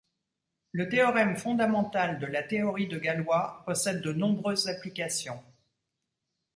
Le théorème fondamental de la théorie de Galois possède de nombreuses applications.